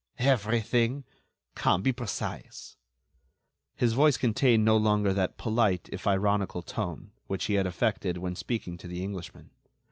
"Everything? Come, be precise." His voice contained no longer that polite, if ironical, tone, which he had affected when speaking to the Englishman.